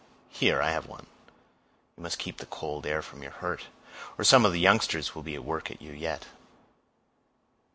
here, I have one; you must keep the cold air from your hurt, or some of the youngsters will be at work at you yet."